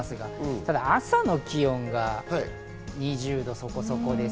ただ、朝の気温が２０度そこそこ。